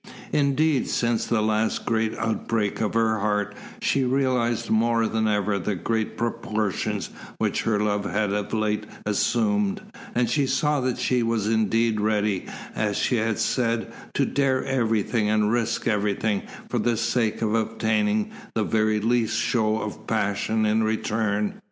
Indeed, since the last great outbreak of her heart, she realised more than ever the great proportions which her love had of late assumed; and she saw that she was indeed ready, as she had said, to dare everything and risk everything for the sake of obtaining the very least show of passion in return.